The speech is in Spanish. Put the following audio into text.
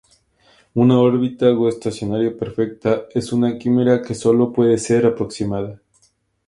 Una órbita geoestacionaria perfecta es una quimera que sólo puede ser aproximada.